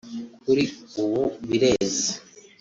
’’ Kuri ubu bireze